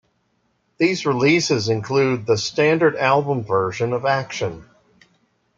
These releases include the standard album version of Action.